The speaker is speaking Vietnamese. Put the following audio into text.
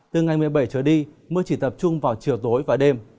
từ ngày một mươi bảy trở đi mưa chỉ tập trung vào chiều tối và đêm